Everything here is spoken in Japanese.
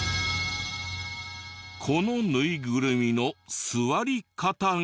このぬいぐるみの座り方が。